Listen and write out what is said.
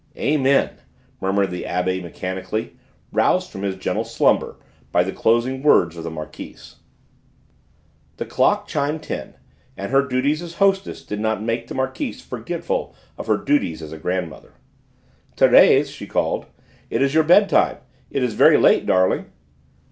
"Amen!" murmured the Abbé mechanically, roused from his gentle slumber by the closing words of the Marquise. The clock chimed ten, and her duties as hostess did not make the Marquise forgetful of her duties as grandmother. "Thérèse," she called, "it is your bed time. It is very late, darling."